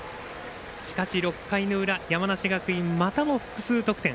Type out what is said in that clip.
しかし、６回の裏、山梨学院またも複数得点。